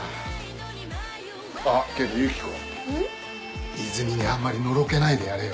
あっけどユキコイズミにあんまりのろけないでやれよ。